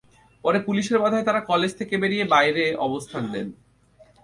পরে পুলিশের বাধায় তাঁরা কলেজ থেকে বেরিয়ে এসে বাইরে অবস্থান নেন।